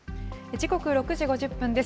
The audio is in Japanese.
時刻、６時５０分です。